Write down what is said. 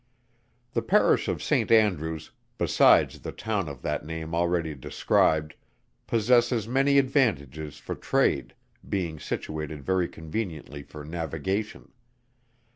The Parish of St. Andrews, besides the town of that name already described, possesses many advantages for trade, being situated very conveniently for navigation.